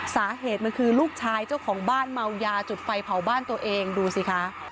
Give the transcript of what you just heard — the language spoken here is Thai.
สาเหตุมันคือลูกชายเจ้าของบ้านเมายาจุดไฟเผาบ้านตัวเองดูสิคะ